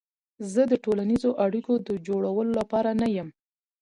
زه د ټولنیزو اړیکو د جوړولو لپاره نه یم.